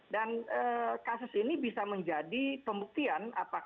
dan kasus ini bisa menjadi pembuktian untuk kinerja kpk